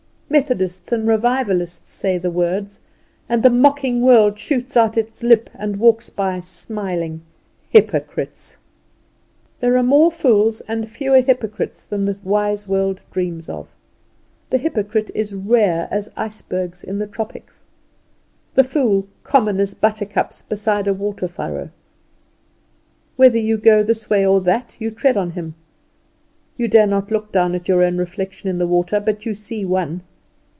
Methodists and revivalists say the words, and the mocking world shoots out its lip, and walks by smiling "Hypocrite." There are more fools and fewer hypocrites than the wise world dreams of. The hypocrite is rare as icebergs in the tropics; the fool common as buttercups beside a water furrow: whether you go this way or that you tread on him; you dare not look at your own reflection in the water but you see one.